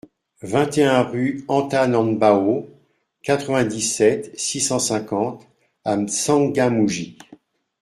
vingt et un rue Antanambao, quatre-vingt-dix-sept, six cent cinquante à M'Tsangamouji